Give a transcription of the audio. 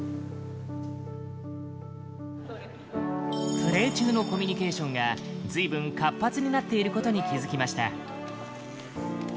プレー中のコミュニケーションがずいぶん活発になっていることに気づきました。